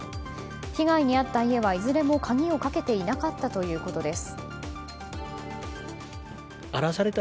被害に遭った家はいずれも鍵をかけていなかったということです。